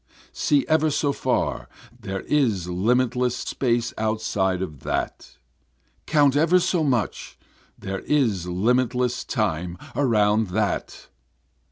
See ever so far, there is limitless space outside of that, Count ever so much, there is limitless time around that.